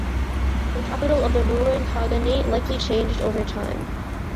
The capital of the Rouran Khaganate likely changed over time.